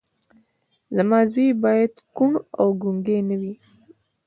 زما زوی باید کوڼ او ګونګی نه وي